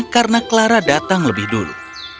karena clara datang lebih dulu